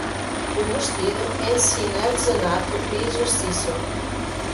O vestido ensina artesanato e exercício.